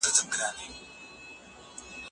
ټول پټ حقایق به ډېر ژر څرګند سي.